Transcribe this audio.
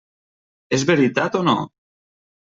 És veritat o no?